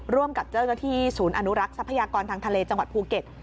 ร่วมกับเจ้าหน้าที่ศูนย์อนุรักษ์ทรัพยากรทางทะเลจังหวัดภูเก็ต